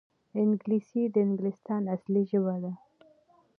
انګلیسي د انګلستان اصلي ژبه ده